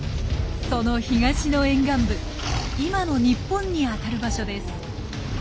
その東の沿岸部今の日本にあたる場所です。